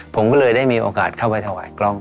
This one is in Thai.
ผมก็เลยได้มีโอกาสเข้าไปถวายกล้อง